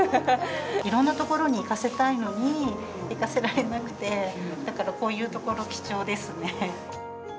いろんな所に行かせたいのに、行かせられなくて、だからこういう所、貴重ですね。